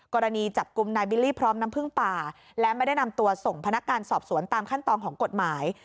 กรณีจับกลุ่มนายบิลลี่พร้อมน้ำผึ้งป่าและไม่ได้นำตัวส่งพนักงานสอบสวนตามขั้นตอนของกฎหมาย